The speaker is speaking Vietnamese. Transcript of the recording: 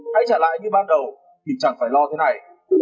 hãy trả lại như ban đầu thì chẳng phải lo thế này